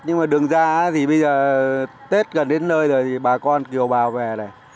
nhưng mà đường ra thì bây giờ tết gần đến nơi rồi thì bà con kiều bào về này